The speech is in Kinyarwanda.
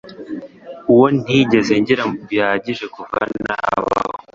uwo ntigeze ngira bihagije kuvanabaho